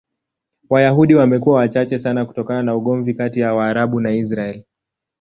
Wayahudi wamekuwa wachache sana kutokana na ugomvi kati ya Waarabu na Israel.